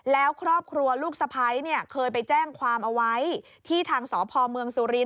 แล้วครอบครัวลูกสะพ้ายเนี่ยเคยไปแจ้งความเอาไว้ที่ทางสพเมืองสุรินท